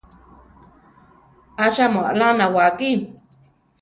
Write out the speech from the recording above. ¿Achá mu alá anáwiki?